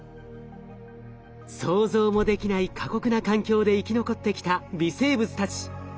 想像もできない過酷な環境で生き残ってきた微生物たち。